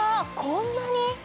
こんなに？